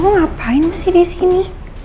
lo ngapain masih disini